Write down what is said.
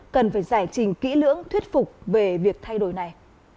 cần phải giải trình kỹ lưỡng thuyết phục về việc thay đổi này